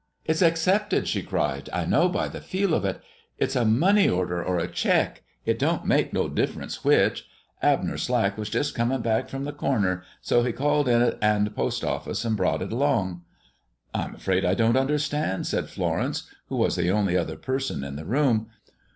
"It's accepted," she cried; "I know by the feel of it! It's a money order or a check, it don't make no difference which. Abner Slack was just comin' back from the Corner, so he called in t' the post office an' brought it along." "I'm afraid I don't understand," said Florence, who was the only other person in the room.